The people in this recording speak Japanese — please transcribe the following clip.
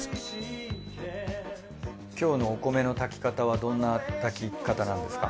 今日のお米の炊き方はどんな炊き方なんですか？